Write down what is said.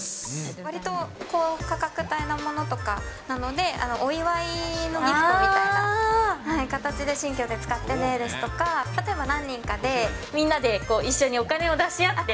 わりと高価格帯の物とかなので、お祝いのギフトみたいな形で、新居で使ってねですとか、例えば何人かで、みんなで一緒にお金を出し合って。